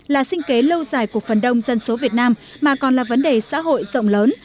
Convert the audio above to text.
là sinh kế lâu dài của phần đông dân số việt nam mà còn là vấn đề xã hội rộng lớn